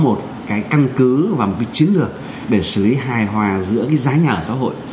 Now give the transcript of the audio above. một cái căn cứ và một cái chiến lược để xử lý hài hòa giữa cái giá nhà ở xã hội